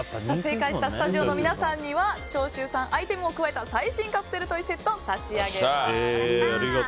正解したスタジオの皆さんには長州さんアイテムを加えた最新カプセルトイセットを差し上げます。